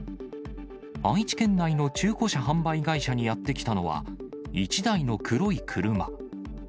愛知県内の中古車販売会社にやって来たのは、１台の黒い車。